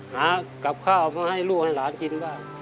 หากับข้าวมาให้ลูกให้หลานกินบ้าง